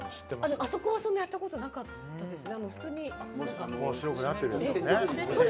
あそこはそんなやったことなかったですね。